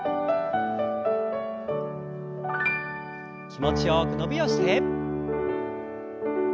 気持ちよく伸びをして。